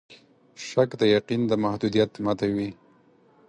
شک د یقین د محدودیت ماتوي.